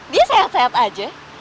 dia sehat sehat aja